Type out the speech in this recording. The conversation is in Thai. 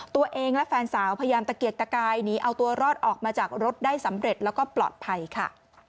ตัวเองและแฟนสาวพยายามตะเกียกตะกายหนีเอาตัวรอดออกมาจากรถได้สำเร็จแล้วก็ปลอดภัยค่ะ